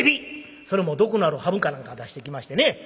それも毒のあるハブか何か出してきましてね。